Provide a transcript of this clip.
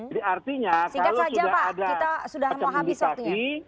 jadi artinya kalau sudah ada macam indikasi